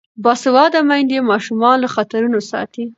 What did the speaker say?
باسواده میندې ماشومان له خطرونو ساتي.